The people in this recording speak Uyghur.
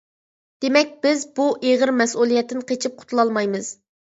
دېمەك بىز بۇ ئېغىر مەسئۇلىيەتتىن قېچىپ قۇتۇلالمايمىز.